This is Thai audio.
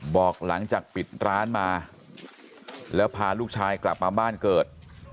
บอกหลังจากปิดร้านมาแล้วพาลูกชายกลับมาบ้านเกิด